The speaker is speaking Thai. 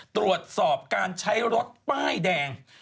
ตรวจสอบการใช้รถป้ายแดง